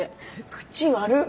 口悪っ！